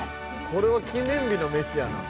「これは記念日の飯やな」